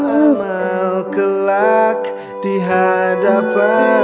ajeng jangan sabar